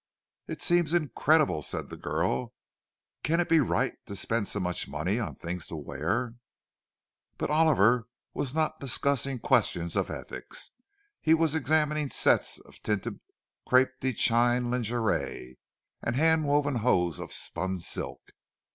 "It seems incredible," said the girl. "Can it be right to spend so much money for things to wear?" But Oliver was not discussing questions of ethics; he was examining sets of tinted crêpe de chine lingerie, and hand woven hose of spun silk.